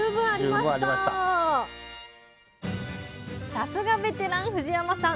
さすがベテラン藤山さん。